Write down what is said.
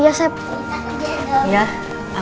dan sebab kecewa